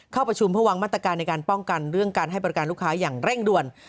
เข้าประชุมเพื่อวางมาตรการในการป้องกันเรื่องการให้บริการลูกค้าอย่างเร่งด่วน